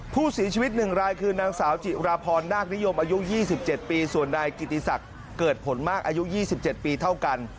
ผู้เสียชีวิต๑รายคือนางสาวจิราพรนาคนิยมอายุ๒๗ปีส่วนนายกิติศักดิ์เกิดผลมากอายุ๒๗ปีเท่ากัน